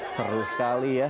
seru sekali ya